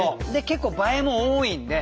結構映えも多いんで。